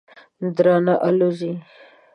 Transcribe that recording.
درنه آلوځي.